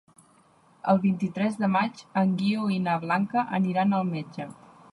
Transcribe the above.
El vint-i-tres de maig en Guiu i na Blanca aniran al metge.